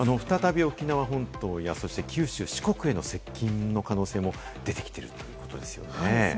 再び沖縄本島や九州、四国への接近の可能性も出てきているということですね。